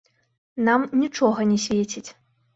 Нам нічога не свеціць.